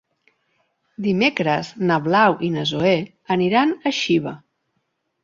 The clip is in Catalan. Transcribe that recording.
Dimecres na Blau i na Zoè aniran a Xiva.